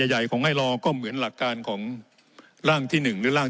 ใหญ่ของไอลอร์ก็เหมือนหลักการของร่างที่๑หรือร่าง